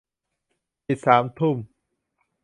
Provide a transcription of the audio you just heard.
ปิดสามทุ่ม